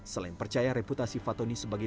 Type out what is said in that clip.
selain percaya reputasi fatoni sebagai